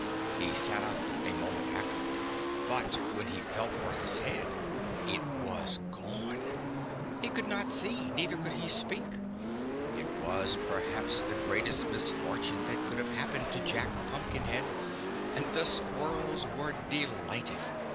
He sat up, a moment afterward, but when he felt for his head it was gone. He could not see; neither could he speak. It was perhaps the greatest misfortune that could have happened to Jack Pumpkinhead, and the squirrels were delighted.